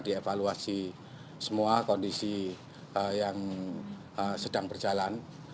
di evaluasi semua kondisi yang sedang berjalan